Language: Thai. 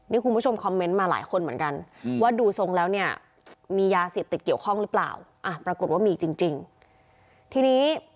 นี่คุณผู้ชมคอมเมนต์มาหลายคนเหมือนกัน